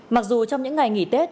mặc dù trong những ngày nghỉ tết